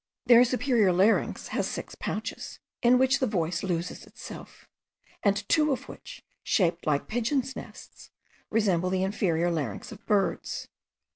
Their superior larynx has six pouches, in which the voice loses itself; and two of which, shaped like pigeons' nests, resemble the inferior larynx of birds.